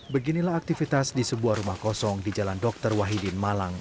beginilah aktivitas di sebuah rumah kosong di jalan dr wahidin malang